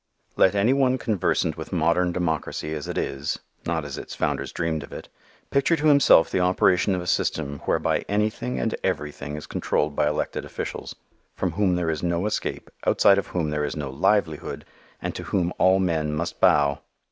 Let anyone conversant with modern democracy as it is, not as its founders dreamed of it, picture to himself the operation of a system whereby anything and everything is controlled by elected officials, from whom there is no escape, outside of whom is no livelihood and to whom all men must bow!